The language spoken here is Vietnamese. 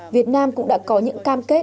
việt nam cũng đã có những cam kết